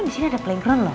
disini ada playground loh